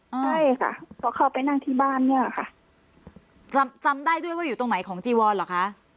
ใช่ค่ะเพราะเข้าไปนั่งที่บ้านเนี่ยค่ะจำจำได้ด้วยว่าอยู่ตรงไหนของจีวอนเหรอคะ